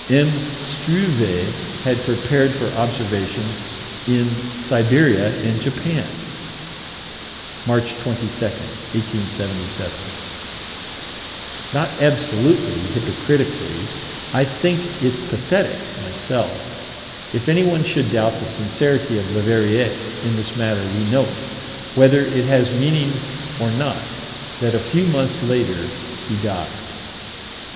M. Struve had prepared for observations in Siberia and Japan March 22, 1877 Not absolutely, hypocritically, I think it's pathetic, myself. If anyone should doubt the sincerity of Leverrier, in this matter, we note, whether it has meaning or not, that a few months later he died.